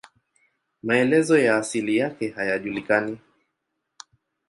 Maelezo ya asili yake hayajulikani.